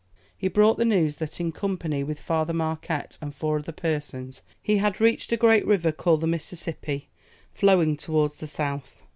He brought the news that in company with Father Marquette and four other persons, he had reached a great river called the Mississippi, flowing towards the south.